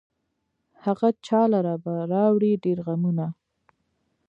هغه چا لره به راوړي ډېر غمونه